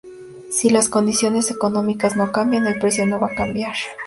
Si las condiciones económicas no cambian, el precio no va a cambiar.